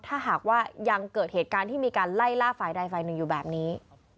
ถ้าหากว่ายังเกิดเหตุการณ์ที่มีการไล่ล่าฝ่ายใดฝ่ายหนึ่งอยู่แบบนี้